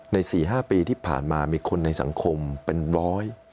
๔๕ปีที่ผ่านมามีคนในสังคมเป็นร้อย